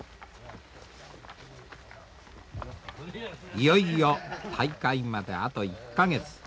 いよいよ大会まであと１か月。